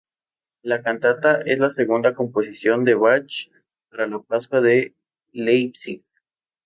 La cantata es la segunda composición de Bach para Pascua en Leipzig.